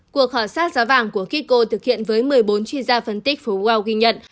cuộc khảo sát giá vàng của kiko thực hiện với một mươi bốn chuyên gia phân tích phố wal ghi nhận